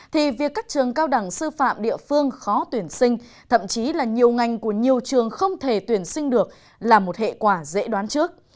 thì việc các trường cao đẳng sư phạm địa phương khó tuyển sinh thậm chí là nhiều ngành của nhiều trường không thể tuyển sinh được là một hệ quả dễ đoán trước